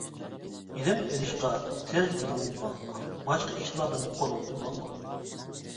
ئىلىم ئېلىشقا تېز بېلىڭنى باغلا، باشقا ئىشلاردىن قولۇڭنى باغلا.